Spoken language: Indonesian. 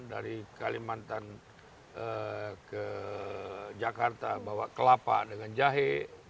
dari kalimantan ke jakarta bawa kelapa dengan jahe